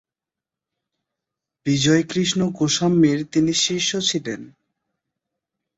বিজয়কৃষ্ণ গোস্বামীর তিনি শিষ্য ছিলেন।